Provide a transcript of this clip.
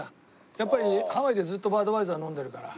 やっぱりハワイでずーっとバドワイザー飲んでるから。